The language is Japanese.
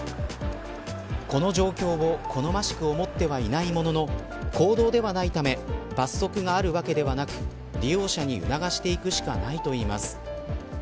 この状況を好ましく思ってはいないものの公道ではないため罰則があるわけではなく利用者に促していくしかないといいます。